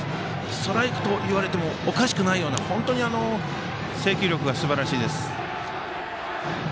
ストライクといわれてもおかしくないような本当に制球力がすばらしいです。